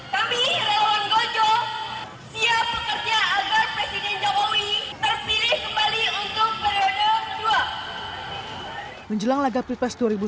kami relawan gojo siap bekerja agar presiden jokowi terpilih kembali untuk periode kedua